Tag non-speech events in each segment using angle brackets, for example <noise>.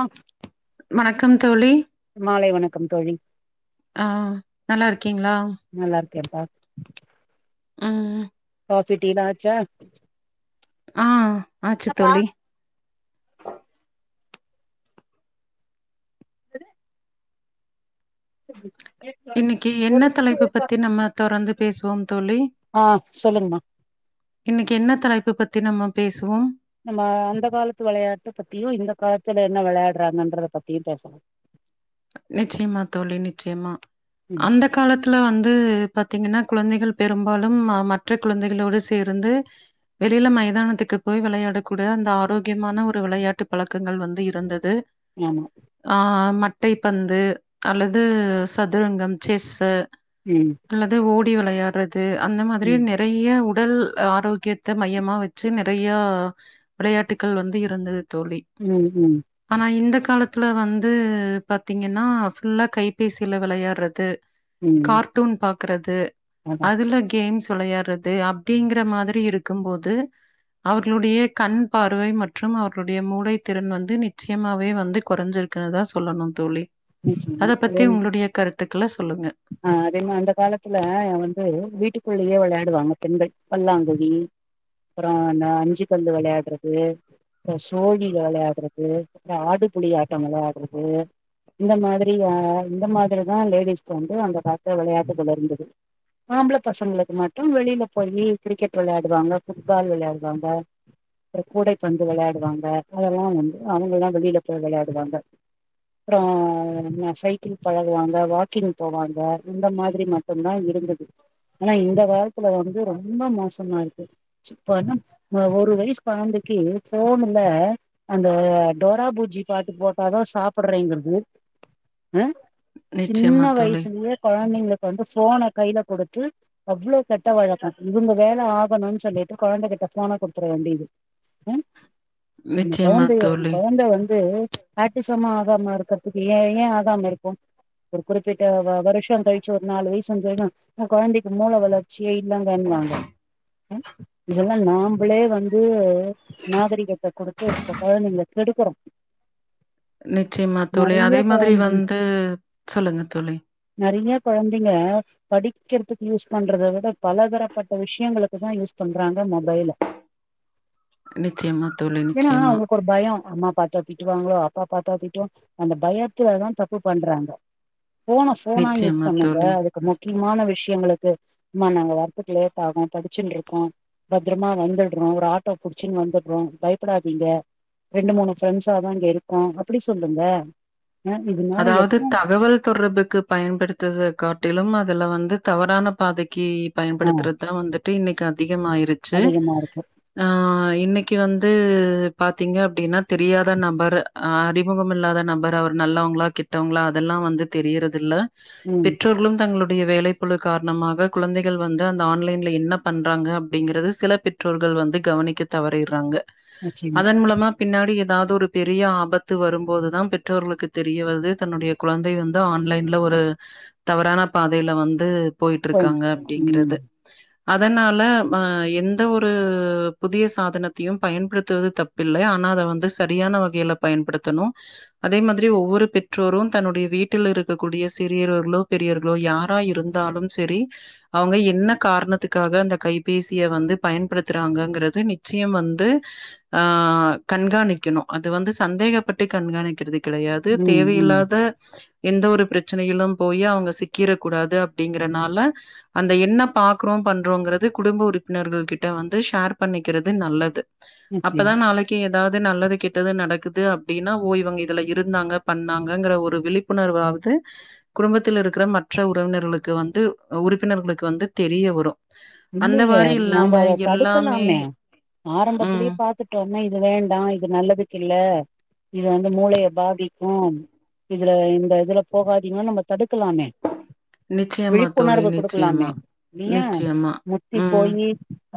ஆ வணக்கம் தோழி க்கம் தோழி ஆ நல்லாருக்கீங்ளா நல்லா இருக்கேன்ப்பா ம் ஃபிட்டிலா ஆச்சா ஆ ஆச்சு தோழி <unintelligible> <unintelligible> இன்னிக்கு ஒரு என்ன நிமிஷோ தலைப்பு இருப்பா பத்தி நம்ம தொரந்து பேசுவோம் தோழி ஆ சொல்லுங்கமா இன்னிக்கு என்ன தலைப்பு பத்தி நம்ம பேசுவோ நம்ம அந்த காலத்து வெளையாட்ட பத்தியு இந்த காலத்து ல என்ன வெளையாட்றாங்கன்றத பத்தியு பேச நிச்சியமா தோழி நிச்சயமா ம் அந்த காலத்துல வந்து பாத்தீங்கன்னா குழந்தைகள் பெரும்பாலும் அ மற்ற குழந்தைகளோடு சேர்ந்து வெளில மைதானத்துக்கு போய் வெளையாடக்கூட அந்த ஆரோக்கியமான ஒரு வெளையாட்டு பழக்கங்கள் வந்து இருந்தது ஆமா ஆ அ மட் டை பந்து அல்லது சதுரங்கம் செஸ்ஸு ம் அல்லது ஓ டி‌ வெளையாட்ற து அந்த மாதிரி ம் நெறைய உ டல் ஆரோக்கியத்த மையமா வெச்சு நெறைய விளையாட்டுக்கள் வந்து இருந்தது தோழி ம் ம் ஆனா இந்த கால த்துல வந்து பாத்தீங்கன்னா ஃபுல்லா கைபேசில வெளயாட்றது ம் கார்ட்டூன் பாக்குறது அதா அதுல கேம்ஸ் வெளயார்றது அப்டிங்கிற மாதிரி இருக்கும் போது அவர்களுடைய கண் பார்வை மற்றும் அவர்களுடைய மூளை திறன் வந்து நிச்சயமாவே வந்து கொறஞ்சிருக்குனுதா சொல்லனு தோழி நிச்சயமா அத அதே பத்தி உங்ளுடைய கரு த்துக்ள ஆ அதே மா அந்த காலத்துல வந்து வீட்டுக் குள்ளயே விளையாடுவாங்க பெண்கள் பல்லாங்குழி அப்புறோம் னா அந்த அஞ்சு கல்லு விளையாடுறது அப்புறம் சோழில விளையாட்றது அப்புறோம் ஆடு புலி ஆட்டம் விளையாட்றது இந்த மாதிரி இந்த மாதிரி தான் லேடிஸ் வந்து அந்த காலத்துல விளையாட்டுகள் இருந்தது ஆம்பள பசங்களுக்கு மட்டும் வெளில போயி கிரிக்கெட் விளையாடுவாங்க ஃபுட்பால் விளையாடுவாங்க அப்றோம் கூடைப்பந்து விளையாடுவாங்க அதெல்லாம் வந்து அவுங்கல்லாம் வெளியில போய் விளையாடுவாங்க அப்றோம் ஆ சைக்கிள் பழகுவாங்க வா க்கிங் போவாங்க இந்த மாதிரி மட்டும்தான் இருந்தது ஆனா இந்த காலத்துல வந்து ரொம்ப மோசமா இருக்கு இப்ப வந்து ஒரு வயசு குழந்தைக்கு ஃபோன்னுல அந்த டோரா பூஜ்ஜி பாட்டு போட்டாதான் சாப்பிட்றேங்கிறது ஆ சின்ன நிச்சயமா தோழி, வயசுலேயே கொழந்தைங்க இப்ப வந்து ஃபோன கையில கொடுத்து அவ்ளோ கெட்ட வழக்கம் இவுங்க வேல ஆகணும்ன்னு சொல்லிட்டு குழந்தைகிட்ட ஃபோன கொடுத்துர வேண்டியது ம் அந்த நிச்சயமா குழந்தைய அந்த தோழி. குழந்தைய வந்து <unintelligible> ட்டிசமா ஆகாம இருக்கற்துக்கு ஏன் ஏன் ஆகாமருக்கும் ஒரு குறிப்பிட்ட வருஷோம் கழிச்சு ஒரு நாலு வயசு அஞ்சு வயசு குழந்தைக்கு மூல வளர்ச்சியே இல்லங்கன்னுவாங்க இதெல்லாம் நாம்பளே வந்து நாகரிகத்த கொடுத்துப் குழந்தைங்கள கெடுக்குறோம் நிச்சியமா தோழி அதே மாதிரி வந்து சொல் நறைய குழந்தைங்க படிக் கிறதுக்கு யூஸ் பண்றத விட பலதரப்பட்ட விஷ்யங்களுக்கு தான் யூஸ் பண்றாங்க மொபைல்ல நிச்சியமா தோழி நிச்சியமா ஒரு பயோ அம்மா பாத்தா திட்டுவாங்களோ அப்பா பாத்தா திட்டுவாங்களோ அந்த பயத்துலதான் தப்பு பண்றாங்க ஃபோன ஃபோனா யூஸ் நிச்சயமா பண்ணுங்க தோழி. அதுக்கு முக்கியமான விஷியங்கள மா நாங்க வர்த்துக்கு லேட் ஆகும் படிச்சின்னு இருக்கோம் பத்ரமா வந்துடுறோம் ஒரு ஆட்டோ புடிச்சின்னு வந்துடுறோம் பயப்படாதிங்க ரெண்டு மூணு ப்ரெண்ட்ஸாதான் இங்க இருக்கோம் அப்படி சொல்லுங்க அ இதனால அதாவது எப்போ தகவல் தொடர்புக்கு பயன்படுத்தறது காட்டிலும் அதுல வந்து தவறான பாதை க்கி ஆ பயன்படுத்துறது தான் வந்து ட்டு அது இன்னைக்கு அதி கமாயிருச்சி அதிகமா இருக்கு ஆ இன்னைக் கீவந்து பாத்திங்கன அப்டினா தெரியாத நம்பர் அறிமுகம் இல்லாத நபர் அவர் நல்லவங் களா கெட்டவங்களா அதலாம் வந்து தெரியறது இல்ல ம் பெற்றோர்களும் தங்களு நறைய வேலை பழு காரணமாக குழந்தைகள் வந்து அந்த ஆன்லைல என்ன பண்றாங்க அப்டிங்கறத சில பெற்றோர்கள் வந்து கவனிக்க தவறிறாங்க நிச்சயமா அதன் மூலமா பின்னாடி ஏ தாவது ஒரு பெரிய ஆபத்து வரும்போதுதா பெற்றோர்களுக்கு தெரியவருது தன்னுடைய குழந்தை வந்து ஆன்லைன்ல ஒரு தவறான பாதையில வந்து போயிட்டு இருக்காங்க போயின்ருக்கு ம் அப்படிங்கிறது அதனால ப எந்த ஒரு புதிய சாதனத்தையும் பயன்படுத்துவது தப்பில்ல ஆனா அதை வந்து சரியான வகையில பயன்ப்படுதனும் அதே மாதி ரி ஒவ்வொரு பெற்றோரும் தன்னுடைய வீட்டில இருகக்கூடிய சிறியோர்களோ பெரியோர்களோ யாரா இருதாலும் செரி அவுங்க என்ன காரணதுக்காக அந்த கைபேசிய வந்து பயன்படுதுறாங்கங்கிறத நிச்சயம் வந்து ஆ கண்காணிக்கனும் அது வந்து சந்தேகபட்டு கண்காணிக்கிறது கெடையாது ம் ம் தேவையில்லாத எந்த ஒரு பிரசனையிலு போயி அவுங்க சிக்கிர கூடாது அப்பிடிங்றனால அந்த என்ன பாக்றோ பண்றோங்கிறது குடும்ப உறுபினர்கள் கிட்ட வந்து ஷேர் பண்ணிகிறது நல்லது அப்பதா நிச்சயமா. நாளைக்கி தாது நல்லது கெட்டது நடகுது அப்பிடினா ஓ இவங்க இதா இதுல இருந்தாங்க பண்ணாங்கிர ஒரு விழிபுணர்வாது குடுபத்தில இருக்கிற மற்ற உறவினர்களுக்கு வந்து உறுபினர்களுக்கு வந்து தெரிய வரு இல்லிங்க நாம்ப அத எல்லாமே தடுக்கலாமே ம். ஆரம்பத்திலியே பாத்துட்டோன்னா இப் இது வேண்டா இது நல்லதுக்கு இல்ல இது வந்து மூளைய பாதிக்கு இதுல இந்த இதுல போகாதிங்கன் நம்ம தடுக் க்கலாமே நிச்சயமா தோழி, விழிப்புணர்வு குடுக்கலாமே நிச்சயமா, நீயா நிச்சயமா. தி ம், போயி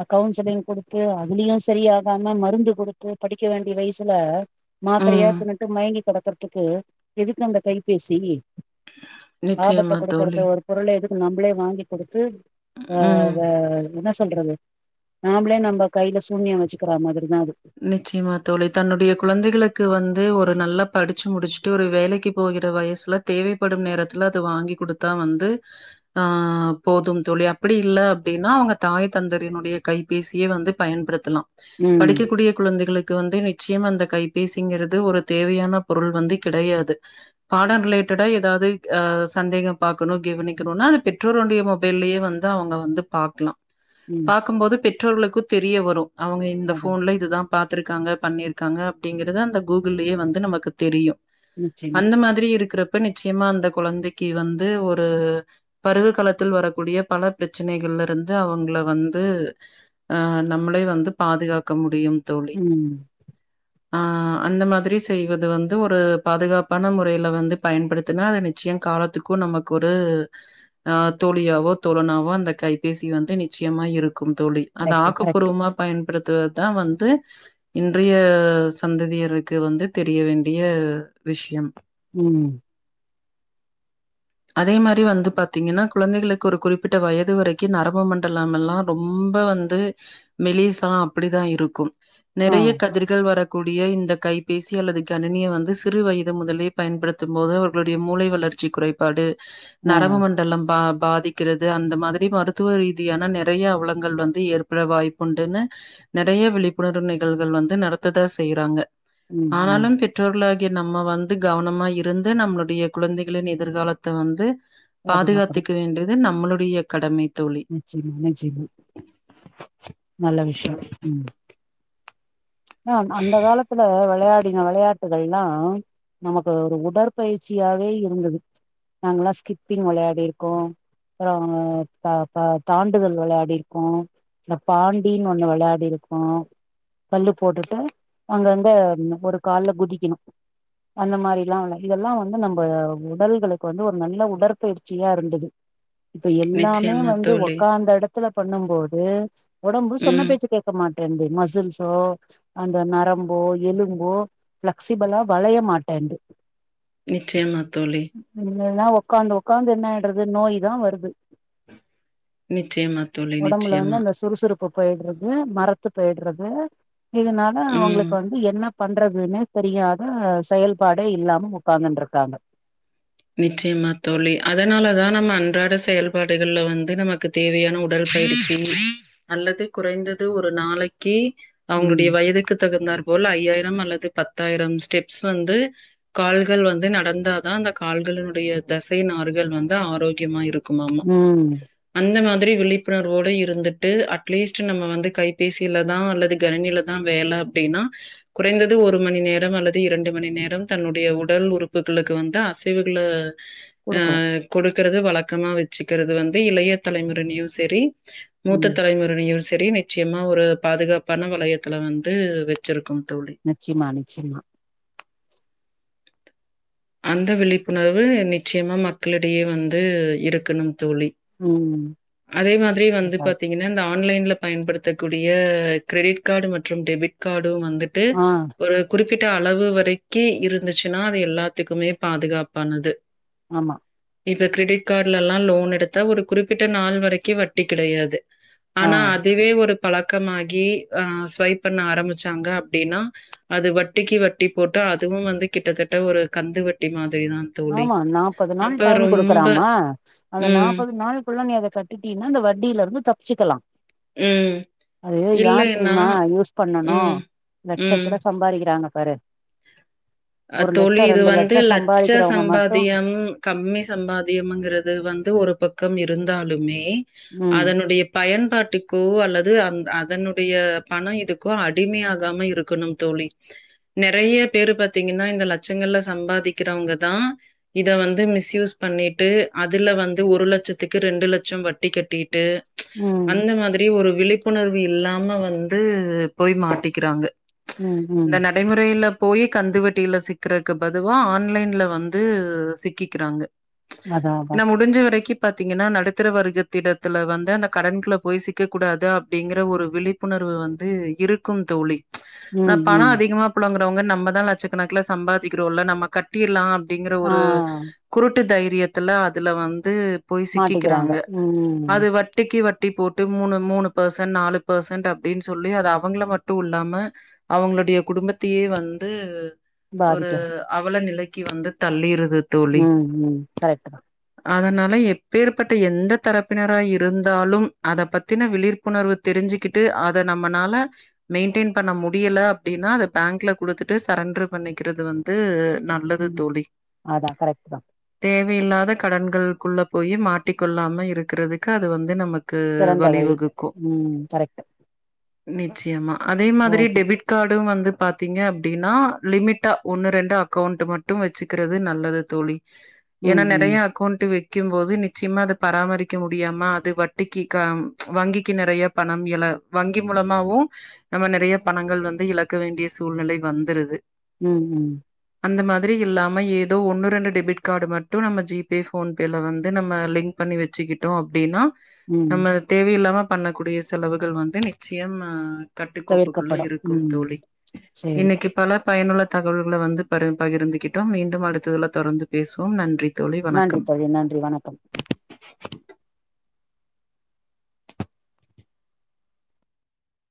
அ கவுன்சிலிங் குடுத்து அதிலியு சரியாகாம மருந்து குடுத்து படிக்க வேண்டிய வயசுல மாதிரையா ம். தின்னுட்டு மயங்கி கடக்கறதுக்கு எதுக்கு அந்த கைபேசி ஆபத்த நிச்சயமா குடுக்கறதோ தோழி. ஒரு பொருள எதுக்கு நம்மளே வாங்கி குடுத்து ஆ ம். வே என்னா சொல்றது நாமளே நம்ம கையில சூனியுயோ வச்சிக்கிற மாரி நிச்சியமா தோழி தன்னுடைய குழந்தைகளுக்கு வந்து ஒரு ஒரு நல்லா படிச்சி முடிச்சிட்டு ஒரு வேலைக்கு போகிற வயசில தேவைப்படு நேரத்தில அது வாங்கி குடுத்தா வந்து ஆ போது தோழி அப்பிடி இல்ல அப்பிடின்னா அவுங்க தாய் தந்தையிரினுடைய கைபேசியே வந்து பயன்படுத்தலா ம் ட்டு கூடிய குழந்தைகளுக் க்கு வந்து நிச்சயம் அந்த கைபேசிங்கிறது ஒரு தேவையான பொருள் வந்து கிடையாது பாடோ ரிலேட்டடா தாது ஆ சந்தேக பாக்கணு கவனிக்கணுன்னா அது பெற்றோருடைய மொபைல்லயே வந்து அவுங்க வந்து பாக்கலா ம் பாக்கும்போது பெற் ற்றோகளுக்கு தெரிய வரு அவுங்க இந் அதா ஃபோன்ல இதுதா பாத்திருக்காங்க பண்ணியிருக்காங்க அப்பிடிங்கறத அந்த கூகுள்ளியே வந்து நமக்கு தெரியு நிச்சயமா அந்த மாதிரி இருக்கிற இப்ப நிச்சியமா அந்த குழந்தைக்கு வந்து ஒரு பருவ காலத்தில் வரக்கூடிய பண பிரச்சனைகள்ல இருந்து அவுங்கள வந்து ஆ நம்மளே வந்து பாதுகாக்க க்க முடியும் தோழி. ம் ஆ அந்த மாதிரி செய்வது வந்து ஒரு பாதுகாப்பான முறையில வந்து பயன்படுத்துங்க அது நிச்சியோ காலத்துக்கு நமக்கு ஒரு அ தோழியாவோ தோழனாவோ அந்த கைபேசி வந்து நிச்சியமா இருக் கும் தோழி அது கரெக்ட்டு கரெக்ட்டு ஆக்கப்பூர்வமா பயன்படுத் த்துதா வந்து இன்றைய சந்ததியருக்கு வந்து தெரிய வேண்டிய விஷ்யம் ம் அதே மாரி வந்து பாத்தீங்கன்னா குழந்தைகளுக்கு ஒரு குறிப்பிட்ட வயது வரைக்கு நரம்பு மண்டலம் எல்லாம் ரொம்ப வந்து மெலிசா இப்பிடிதா இருக்கு ஆ நெறைய கதிர்கள் வர கூடிய இந்த கைபேசி அல்லது கணினிய வந்து சிறு வயது முதலே பயன்படுத்து போது அவர்களுடைய மூளை வளர்ச்சி குறைபாடு ஆ நரம்பு மண்டலம் பா பாதிக்கிறது அந்த மாதிரி மருத்துவ ரீதியான நெறைய அவலங்கள் வந்து ஏற்பட வாய்ப்புண்டுன்னு நெறைய விழிப்புணர்வு நிகழ்வுகள் வந்து நடத்ததா செய்யறாங்க ம் ம் ஆனாலு பெற்றோர்கள கிய நம்ம வந்து கவனமா இருந்து நம்மளுடைய குழந்தைகளின் எதிர்காலத்த வந்து பாதுகாக்கணு பாதுகாத்துக்க வேண்டியது நம் நம்மளுடைய கடமை தோழி. நிச்சியம் நிச்சியமா நல்ல விஷ்யோ ம் நாம் அந்த காலத்துல விளையாடின விளையா த்துகலில்லா நமக்கு ஒரு உடற்பயிற்சியாவே இருந்தது நாங்கல்லா ஸ்கிப்பிங் விளையாடி இருக்கோ அப்புறோ த ப தாண்டுதல் விளையாடி இருக்கோ இ பாண்டினு ஒண்ணு விளையாடி இருக்கோ கல்லு போட்டுட்டு அங்கங்க ஒரு கால்ல குதிக்கிணு அந்த மாரில்லா இதெல்லா வந்து நம்ம உடல்களுக்கு வந்து ஒரு நல்ல உடற்பயிற்சியா இருந்தது இப்ப எல்லாமே நிச்சயமா வந்து தோழி. உக்காந்த எடத் த்தல பண்ணு போது ஒடம்பு சொன்ன ம். பேச்ச கேட்கமாட் ரென்டி மசுல்ஸ்ஸோ அந்த நரம்போ எலும்போ பிளெக்சிஃபிளா வளையமாட்டேன்து நிச்சயம்மா தோழி இல்லனா உக்காந்து உக்காந்து என்னயிடறது நோய்தா வருது நிச்சயமா தோழி நிச்சயமா ப்பு போயிடறது மரத்து போயிடறது இதனால ம். அவங்களுக்கு வந்து என்ன பண்றதுனே தெரியாத செயல்பாடே இல்லாம உட்காந்துன்டுருக்காங்க நிச்சயமா தோழி அதனாலதா நம்ம அன்றாட செயல்பாடுகள்ல வந்து நமக்கு தேவையான உடல் பயிற்சி அல்லது குறைந்தது ஒரு நாளைக்கி அவுங்களுடைய ம் வயதுக்கு தகுந்தார் போல ஐய்யாயிர டம் அல்லது பத்தாயிரம் ஸ்டெப்ஸ் வந்து கால்கள் வந்து நடந்தாதா அந்த கால்களன்னுடைய தசை நாறுகள் வந்து ஆரோக்கியமா இருக் க்குமாமா ம் அந்த மா ட்ரி விழிப்புணர்வோடு இருந்துட்டு அட்லீஸ்ட் நம்ம வந்து கைபேசியிலதா அல்லது கனிணிலதா வேல அப்பிடின்னா குறைந்தது ஒரு மணி நேரம் அல்லது இரண்டு மணி நேரம் தன்னுடைய உடல் உறுப்புகளுக்கு வந்து அச சிவுகள அ குடுக்கணு குடுக்கறது வழக்கமா வச் ச்சிக்கிறது வந்து இளைய தலைமுறை நியூசேரி மூத்த ம் தலைமுறையிலு சே திரி நிச்சயமா ஒரு பாதுகாப்பான வளையத்துல வந்து வச்சிருக்கு நிச்சிமா நிச்சிமா அந்த விழிப்புணர்வு நிச்சியமா மக்களிடையே வந்து இருக்கணு தோழி ம். அதே மாதிரி வந்து கட்டாயம். பாத்தீங்கன்னா இந்த ஆன்லைன்ல பயன்படுத்தக்கூடிய கிரெடிட் காடு மற்றும் டெபிட் காடு டு வந்துட்டு ஆ ஒரு குறிப் ப்பிட்ட அளவு வரைக்கி இருந்துச்சுன்னா அது எல்லாத் த்துக்குமே பாதுகாப்பானது ஆமா இப்ப கிரெடிட் காடுல எல்லா லோன் எடுத்தா ஒரு குறிப்பிட்ட நாள் வரைக்கு வட்டி கிடையாது ஆ ஆனா அதுவே ஒரு பழக்கமாகி ஆ ஸ்வைப் பண்ண ஆரம்பிச்சாங்க அப்பிடின்னா அது வட்டிக்கு வட்டி போட்டு அதுவு வந்து கிட்டத்தட்ட ஒரு கந்து வட்டி மா ஆமா நாப்பது நாள் டைம் ரொம்ப குடுக்குறாம அந்த ம், நாப்பது நாள் குள்ள நீ அத கட்டடீனா இந்த வட்டியில இருந்து தப்பிச்சுக்கலா ம். அது யார் இல்லைன்னா தெரியுமா யூஸ் பண்ணனு ம், ம். லட்சத்துல சம்பாரிக்கிறாங்க பர அ தோழி இது வந்து லட்ச சம்பாரிக்கிறவங்க மட்டும் சம்பாத்தியம் கம்மி சம்பாத்தியங்கறது வந்து ஒரு பக் க்கம் இருந்தாலுமே மே ம். அதனுடைய பயன் பாட்டுக்கோ அல்லது அந் அதனுடைய பணோ இதுக்கோ அடிமையாகாம இருக்கணு தோழி நெறைய பேரு பாத் ட்டிங்கனா இந்த லட்சங்கள்ல சம்பாதிக்கிறவங்கதா இத வந்து மிஸ்யூஸ் பண்ணிட்டு அதுல வந்து ஒரு லட்சத்துக்கு ரெண்டு லட்சம் வட்டி கட்டிட் ட்டு ம். அந்த மாதிரி ஒரு விழிப்புணர்வு இல்லாம வந்து போய் மாட்டிக்கிறாங்க ம். இந்த ம். நடைமுறையில போயே கந்துவட்டியில சிக்கறக்கு பதுவா ஆன்லைன்ல வந்து சிக்கிக்கிறாங்க அதான் நா அதான். முடிஞ்ச வரைக்கு பாத்தீங்கன்னா நடுத்தர வர்க்கத்திடத்துல வந்து அந்த கடன்கள போய் சிக்க கூடாது அப்படிங்கிற ஒரு விழிப்புணர்வு வந்து இருக்கும் தோழி ஆ ம். பணோ ம். அதிகமா புலங்க ரோங்க நம்ப தா லட்சக்கணக்குல சம்பாதிக்கிறோல நம்ம கட்டிர்லா அப் டிங்கிற ஆ ஒரு குருட் ட்டு தைரியத்துல அதுல வந்து போய் மாட்டிக்கிறாங்க. சிக்கிக்கிறாங்க ம். அது வட்டிக்கு வட் வட்டி போட்டு மூணு மூணு பெர்சன்ட் நாலு பெர்சன்ட் அப்டின்னு சொல்லி அது அவங்கள மட்டு இல்லாம அவங்களுடைய குடும்பத்தையே வந் துஉ ஒரு பாதிக்கிறது. அவல நிலைக் க்கி வந்து தள்ளிருது தோழி உ உ கரெக்ட் தா அதனால எப்பேற்பட்ட எந்த தரப்பினரா இருந்தாலு அத பத்தின விழிப்புணர்வு தெரிஞ்சுக்கிட்டு அத நம்மளால மெயின்டெயின் பண்ண முடியல அப்படின்னா அத பேங்க்ல குடுத்துட்டு சரண்ட்ரு பண்ணிக்கிறது வந்து நல்லது ம். தோழி அதான் கரெக்ட்டு தான். தேவ் வ இல்லாத கடன்களுக்குள்ள போய் மாட்டிக் கொள்ளாம இருக்கிறதுக்கு அது வந்து நமக் சிறந்த வழி உ கரெக்டு நிச்சயமா அதே மாதிரி டெபிட் கார்டு வந்து பாத்தீங்க அப்டின்னா லிமிட்டா ஒன்னு ரெண்டு அக்கௌண்ட் மட்டு வச்சுக்கிறது நல்லது தோழி ஏன்னா ம் ம் நறையா அக்கௌண்ட் வச் வக்கும் போது நிச்சயமா அது பராமரிக்க முடியாம அது வட்டிக்கு வங்கிக்கு நறைய பணம் இல வங்கி மூலமாவு நம்ம நறைய பணங்கள் வந்து இழக்க வேண்டிய சூ சூழ்நலை வந்துருது உ உ திரி இல்லாம ஏதோ ஒன்னு ரெண்டு டெபிட் கார்டு மட்டு நம்ம ஜிபே ஃபோன்பேல வந்து நம்ம லிங்க் பண்ணி வச்சுக்கிட்டோ அப்படின்னா ம் நம்ம தேவ இல்லாம பண்ணக்கூடிய செலவுகள் வந்து நிச்சயம்அ கட்டுக்கோப்புக்குள்ள தவிர்க்கப்படும் இருக்கு ம் தோழி சேரி இன்னக்கி பல பயனுள்ள தகவல்கள வந்து பரு பகிர்ந்துகிட்டோம் மீண்டும் அடுத்ததுல தொடர்ந்து பேசு நன்றி தோழி நன்றி வணக்கம்